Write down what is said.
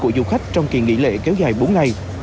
giải trí của du khách trong kỳ nghỉ lễ kéo dài bốn ngày